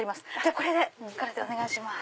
これでお願いします。